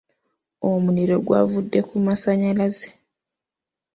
Omuliro gwavudde ku masanyalaze